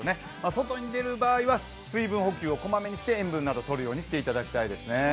外に出る場合は水分補給をこまめにして塩分などをとるようにしていただきたいですね。